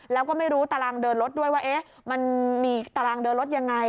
แล้วก็ไม่รู้ตารางเดินรถด้วยว่ามันมีตารางเดินรถยังไง